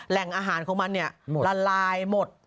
แหล่งอาหารของมันเนี่ยละลายหมด